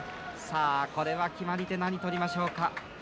さあ、これは決まり手何取りましょうか。